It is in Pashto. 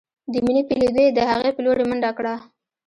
د مينې په ليدو يې د هغې په لورې منډه کړه.